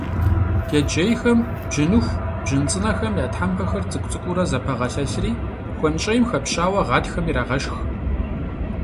Джэджьейхэм бжьыныху, бжьын цӀынэхэм я тхьэмпэр цӀыкӀу-цӀыкӀуурэ зэпагъэлъэлъри, хуэнщӀейм хэпщауэ гъатхэм ирагъэшх.